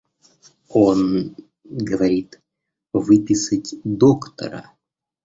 Он говорит выписать доктора...